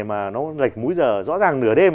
mà nó lệch múi giờ rõ ràng nửa đêm